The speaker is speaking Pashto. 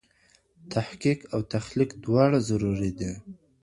تحقیق او تخلیق دواړه ضروري دي.